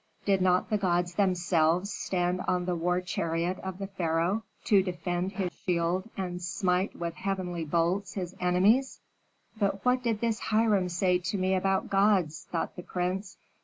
Did not the gods themselves stand on the war chariot of the pharaoh to defend his shield and smite with heavenly bolts his enemies? "But what did this Hiram say to me about gods?" thought the prince.